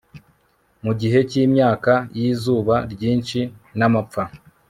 mu gihe cyimyaka yizuba ryinshi namapfa